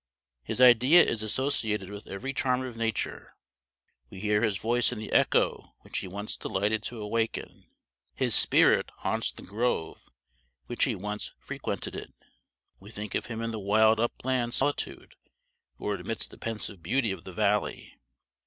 His idea is associated with every charm of Nature; we hear his voice in the echo which he once delighted to awaken; his spirit haunts the grove which he once frequented; we think of him in the wild upland solitude or amidst the pensive beauty of the valley.